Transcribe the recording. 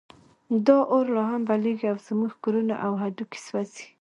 دا اور لا هم بلېږي او زموږ کورونه او هډوکي سوځوي.